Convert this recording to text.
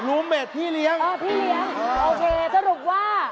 รูมเมดพี่เลี้ยงโอเคสรุปว่า